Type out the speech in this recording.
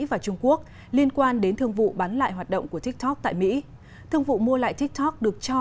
và trung quốc liên quan đến thương vụ bán lại hoạt động của tiktok tại mỹ thương vụ mua lại tiktok được cho